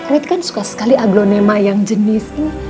roy itu kan suka sekali aglonema yang jenis ini